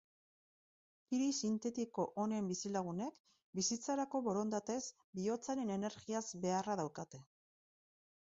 Hiri sintetiko honen bizilagunek, bizitzarako borondatez, bihotzaren energiaz beharra daukate.